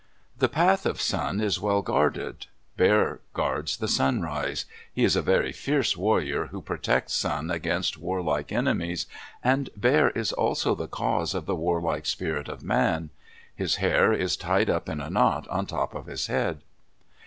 The path of Sun is well guarded. Bear guards the sunrise. He is a very fierce warrior who protects Sun against warlike enemies, and Bear is also the cause of the warlike spirit of man. His hair is tied up in a knot on top of his head.